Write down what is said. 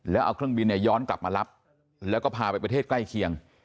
แล้วเอาเครื่องบินเนี่ยย้อนกลับมารับแล้วก็พาไปประเทศใกล้เคียง